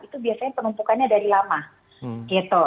itu biasanya penumpukannya dari lama gitu